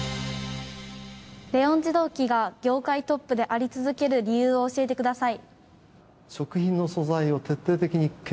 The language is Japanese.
レオン自動機が業界トップであり続ける理由を教えてください。